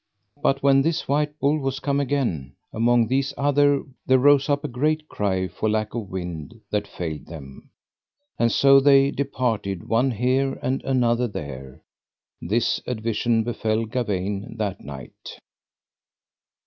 But when this white bull was come again among these other there rose up a great cry for lack of wind that failed them; and so they departed one here and another there: this advision befell Gawaine that night.